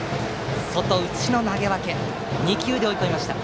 外、内の投げ分け２球で追い込みました。